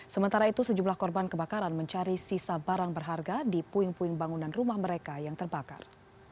sementara itu sejumlah korban kebakaran mencari sisa barang berharga di puing puing bangunan rumah mereka yang terbakar